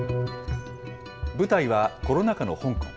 舞台は、コロナ禍の香港。